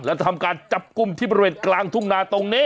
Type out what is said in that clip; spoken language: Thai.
แล้วจะทำการจับกลุ่มที่บริเวณกลางทุ่งนาตรงนี้